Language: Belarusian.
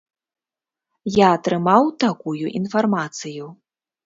Я атрымаў такую інфармацыю.